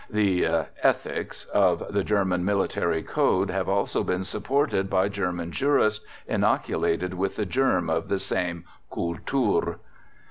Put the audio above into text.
The "ethics" of the German Military Code have also been supported by German jurists inoculated with the germ of the same "Kultur."